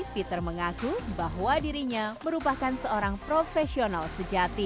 peter mengaku bahwa dirinya merupakan seorang profesional sejati